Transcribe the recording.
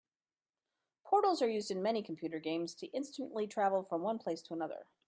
Portals are used in many computer games to instantly travel from one place to another.